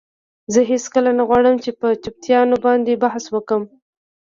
زه هیڅکله نه غواړم چې په چټییاتو باندی بحث وکړم.